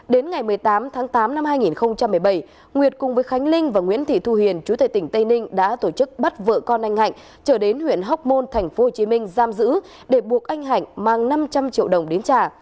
đến ngày một mươi tám tháng tám năm hai nghìn một mươi bảy nguyệt cùng với khánh linh và nguyễn thị thu hiền chú tệ tỉnh tây ninh đã tổ chức bắt vợ con anh hạnh trở đến huyện hóc môn tp hcm giam giữ để buộc anh hạnh mang năm trăm linh triệu đồng đến trả